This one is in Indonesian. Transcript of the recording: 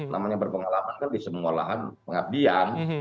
namanya berpengalaman kan di semua lahan pengabdian